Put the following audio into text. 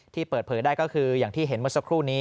ที่เปิดเผยได้ก็คืออย่างที่เห็นเมื่อสักครู่นี้